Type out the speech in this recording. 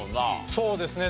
そうですね。